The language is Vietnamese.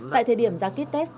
tại thời điểm ra ký test